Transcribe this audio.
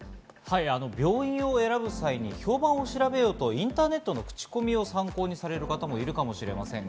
病院を選ぶ際に評判を調べようと、インターネットの口コミを参考にされる方もいるかもしれません。